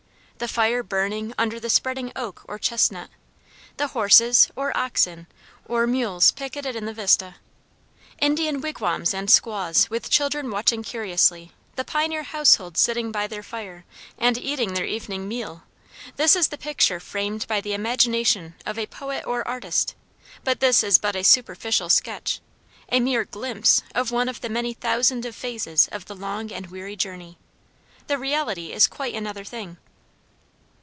The fire burning under the spreading oak or chestnut, the horses, or oxen, or mules picketed in the vistas, Indian wigwams and squaws with children watching curiously the pioneer household sitting by their fire and eating their evening meal; this is the picture framed by the imagination of a poet or artist, but this is but a superficial sketch, a mere glimpse of one of the many thousand phases of the long and weary journey. The reality is quite another thing.